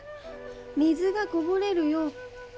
水がこぼれるよ。